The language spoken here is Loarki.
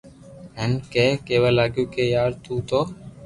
ھين ڪي ڪيوا لاگيو ڪي يار تو تو